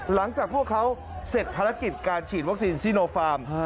หลังจากพวกเขาเสร็จภารกิจการฉีดวัคซีนซีโนฟาร์ม